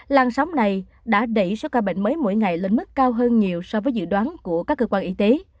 lan sóng này đã đẩy số ca bệnh mới mỗi ngày lên mức cao hơn nhiều so với dự đoán của các cơ quan y tế